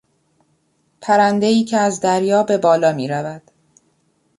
پرندهای که از دریا به بالا میرود